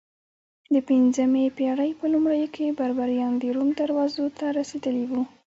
د پنځمې پېړۍ په لومړیو کې بربریان د روم دروازو ته رسېدلي وو